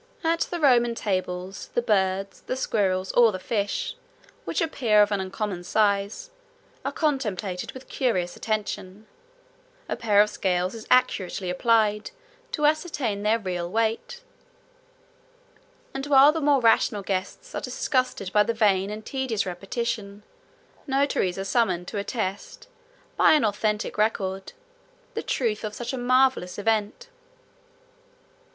At the Roman tables, the birds, the squirrels, 45 or the fish, which appear of an uncommon size, are contemplated with curious attention; a pair of scales is accurately applied, to ascertain their real weight; and, while the more rational guests are disgusted by the vain and tedious repetition, notaries are summoned to attest, by an authentic record, the truth of such a marvelous event.